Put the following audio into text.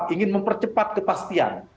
ingin mempercepat kepastian